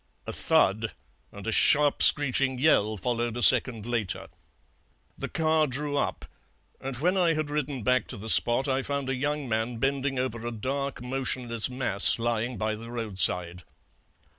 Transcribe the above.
A thud and a sharp screeching yell followed a second later. The car drew up, and when I had ridden back to the spot I found a young man bending over a dark motionless mass lying by the roadside.